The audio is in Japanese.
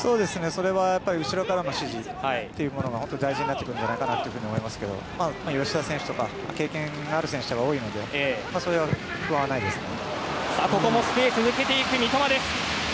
それは、やっぱり後ろからの指示というものが大事になると思いますけど、吉田選手とか経験がある選手が多いので不安はないですね。